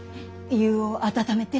湯を温めて。